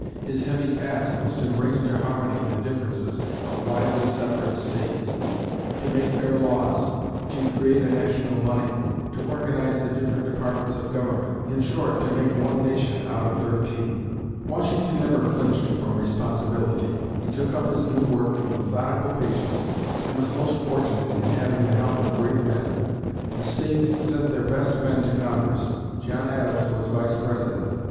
His heavy task was to bring into harmony the differences of widely separate States; to make fair laws; to create a national money; to organize the different departments of government in short, to make one nation out of thirteen. Washington never flinched from responsibility. He took up his new work with methodical patience, and was most fortunate in having the help of great men. The States sent their best men to Congress. John Adams was Vice President.